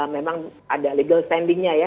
memang ada legal standingnya